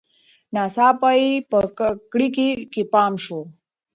ناڅاپه یې په کړکۍ کې پام شو.